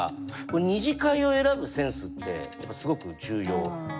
二次会を選ぶセンスってすごく重要。